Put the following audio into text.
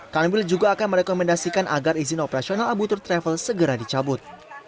kanwil juga akan merekomendasikan agar izin operasional abu tur travel segera dicabut